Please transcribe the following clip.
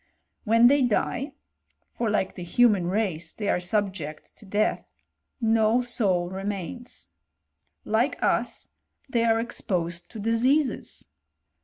When they die (for like the human race they are subject to death), no, soul remains. Like us they are exposed to diseases!